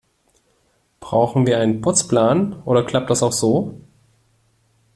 Brauchen wir einen Putzplan, oder klappt das auch so?